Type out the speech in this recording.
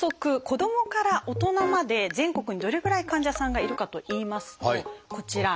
子どもから大人まで全国にどれぐらい患者さんがいるかといいますとこちら。